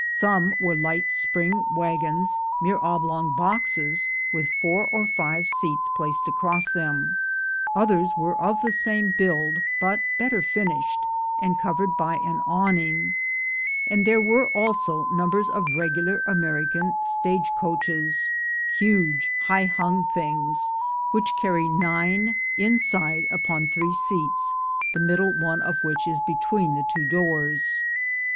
Some were light spring wagons — mere oblong boxes, with four or five seats placed across them; others were of the same build, but better finished, and covered by an awning; and there were also numbers of regular American stage coaches, huge high hung things which carry nine inside upon three seats, the middle one of which is between the two doors.